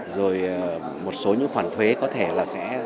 rồi một số những khoản thuế có thể là sẽ